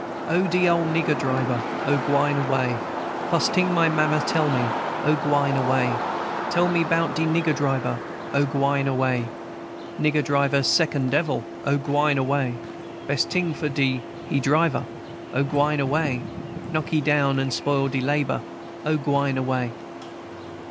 "O, de ole nigger driver! O, gwine away! Fust ting my mammy tell me, O, gwine away! Tell me 'bout de nigger driver, O, gwine away! Nigger driver second devil, O, gwine away! Best ting for do he driver, O, gwine away! Knock he down and spoil he labor, O, gwine away!"